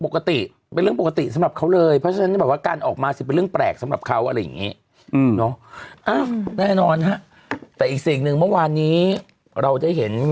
ก็เลยทำซ้ำแล้วกลับเข้าไปใหม่